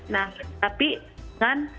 nah tapi dengan